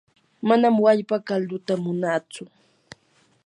manam wallpa kalduta munaatsu.